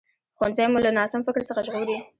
ښوونځی مو له ناسم فکر څخه ژغوري